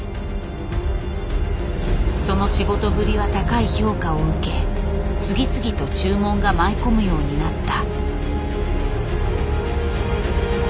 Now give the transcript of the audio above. その仕事ぶりは高い評価を受け次々と注文が舞い込むようになった。